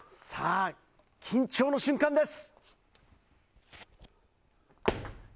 緊張の瞬間です。